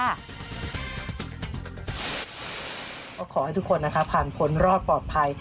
ก็ขอให้ทุกคนนะคะผ่านพ้นรอดปลอดภัย